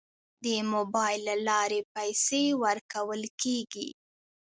د موبایل له لارې پیسې ورکول کیږي.